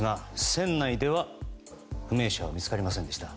船内では不明者は見つかりませんでした。